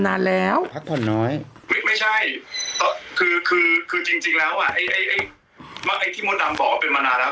ไปเถอะนุ่มถ้าจะตายไม่มีก็สบายใจแล้ว